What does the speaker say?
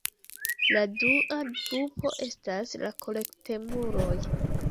La dua grupo estas la kolektemuloj.